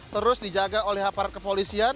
terus dijaga oleh aparat kepolisian